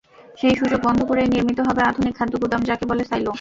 সেই সুযোগ বন্ধ করেই নির্মিত হবে আধুনিক খাদ্যগুদাম, যাকে বলে সাইলো।